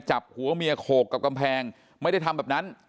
จับหัวเมียโขกกับกำแพงไม่ได้ทำแบบนั้น